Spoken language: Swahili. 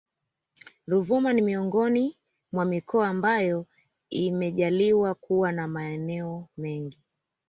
Ruvuma ni miongoni mwa mikoa ambayo imejaliwa kuwa na maeneo mengi